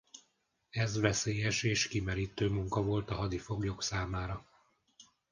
Ez veszélyes és kimerítő munka volt a hadifoglyok számára.